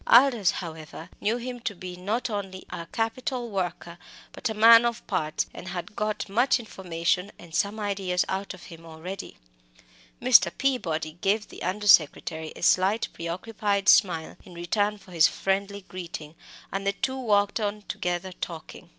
Aldous, however, knew him to be not only a capital worker, but a man of parts, and had got much information and some ideas out of him already. Mr. Peabody gave the under secretary a slight preoccupied smile in return for his friendly greeting, and the two walked on together talking.